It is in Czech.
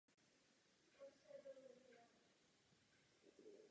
Část zprávy se věnuje otázce tradiční pozice ženy.